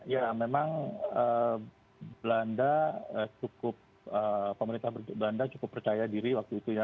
ya memang belanda cukup pemerintah belanda cukup percaya diri waktu itu ya